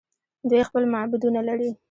دوی خپل معبدونه لري.